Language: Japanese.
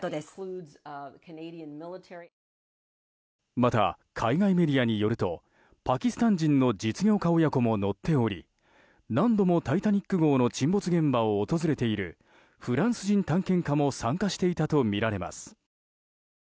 また、海外メディアによるとパキスタン人の実業家親子も乗っており何度も「タイタニック号」の沈没現場を訪れているフランス人探検家も参加していたとみられます。